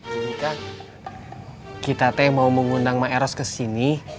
ketika kita mau mengundang maeros kesini